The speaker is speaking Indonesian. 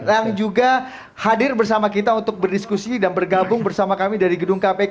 yang juga hadir bersama kita untuk berdiskusi dan bergabung bersama kami dari gedung kpk